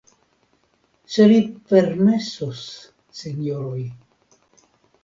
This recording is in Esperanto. Se vi permesos, sinjoroj!